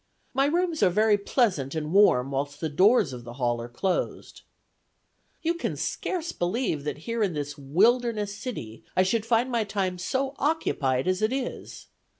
My rooms are very pleasant and warm whilst the doors of the hall are closed. "You can scarce believe that here in this wilderness city, I should find my time so occupied as it is.